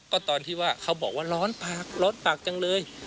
ก็ตอนที่ว่าเขาบอกว่าร้อนปากร้อนปากจังเลย